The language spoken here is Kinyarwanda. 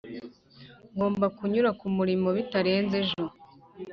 ngomba kunyura kumurimo bitarenze ejo.